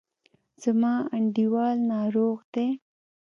زما انډیوال ناروغ دی.